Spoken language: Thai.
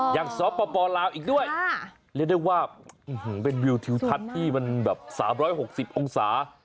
สปลาวอีกด้วยเรียกได้ว่าเป็นวิวทิวทัศน์ที่มันแบบ๓๖๐องศา